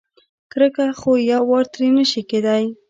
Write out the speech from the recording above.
کرکه خو یوار ترې نشي کېدای.